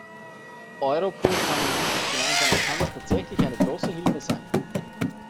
Europol kann in diesem gemeinsamen Kampf tatsächlich eine große Hilfe sein.